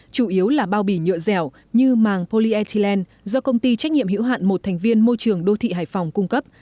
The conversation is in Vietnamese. chủ yếu là bao bì nhựa dẻo như màng polyethylene do công ty trách nhiệm hữu hạn một thành viên môi trường đô thị hải phòng cung cấp